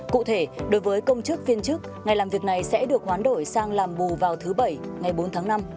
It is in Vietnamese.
cụ thể đối với công chức viên chức ngày làm việc này sẽ được hoán đổi sang làm bù vào thứ bảy ngày bốn tháng năm